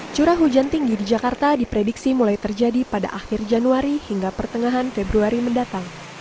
curah hujan tinggi di jakarta diprediksi mulai terjadi pada akhir januari hingga pertengahan februari mendatang